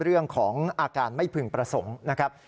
เรื่องของอาการไม่พึงประสงค์นะครับ